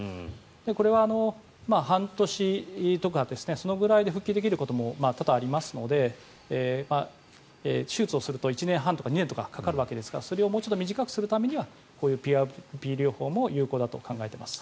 これは半年とかそのぐらいで復帰できることも多々ありますので手術をすると１年半とか２年とかかかるわけですからそれをもう一度短くするためにはＰＲＰ療法も有効だと考えています。